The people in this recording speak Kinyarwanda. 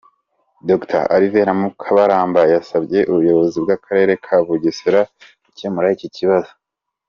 Dr Alvera Mukabaramba yasabye ubuyobozi bw’Akarere ka Bugesera gukemura iki kibazo.